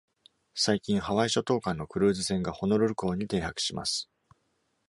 最近、ハワイ諸島間のクルーズ船がホノルル港に停泊します。